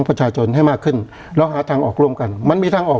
ประชาชนให้มากขึ้นแล้วหาทางออกร่วมกันมันมีทางออก